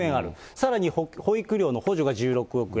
さらに保育料の補助が１６億円。